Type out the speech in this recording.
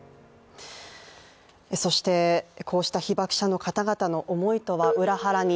そしてこうした被ばく者の方々の思いとは裏腹に